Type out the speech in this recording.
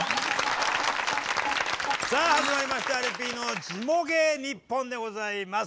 さあ始まりました「有田Ｐのジモ芸ニッポン」でございます。